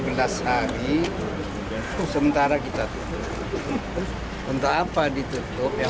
berusaha untuk mencari karyawan yang positif covid sembilan belas